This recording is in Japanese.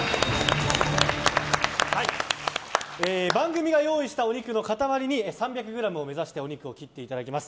番組が用意したお肉の塊に３００ｇを目指してお肉を切っていただきます。